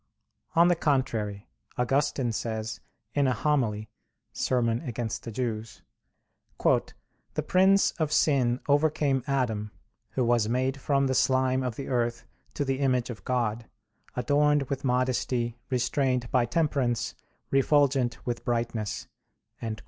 On the contrary, Augustine says, in a homily (Serm. contra Judaeos): "The prince of sin overcame Adam who was made from the slime of the earth to the image of God, adorned with modesty, restrained by temperance, refulgent with brightness."